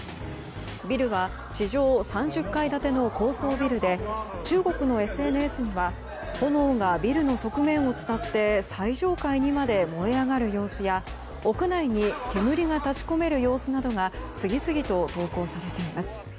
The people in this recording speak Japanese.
ビルは地上３０階建ての高層ビルで中国のＳＮＳには炎がビルの側面を伝って最上階にまで燃え上がる様子や屋内に煙が立ち込める様子などが次々と投稿されています。